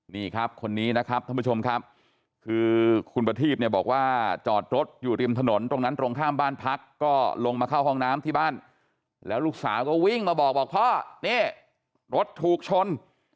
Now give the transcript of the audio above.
นี่ครับคนนี้นะครับท่านผู้ชมครับคือคุณประทีบเนี่ยบอกว่าจอดรถอยู่ริมถนนตรงนั้นตรงข้ามบ้านพักก็ลงมาเข้าห้องน้ำที่บ้าน